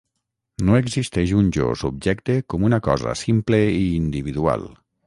No existeix un jo o subjecte com una cosa simple i individual.